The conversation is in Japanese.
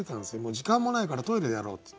「時間もないからトイレでやろう」って言って。